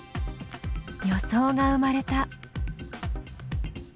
予想が生まれた。